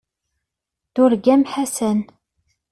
Turgam Ḥasan.